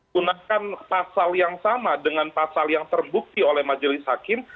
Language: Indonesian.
gunakan pasal yang sama dengan pasal yang terbukti oleh majelis hakim